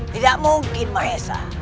tidak mungkin mahesa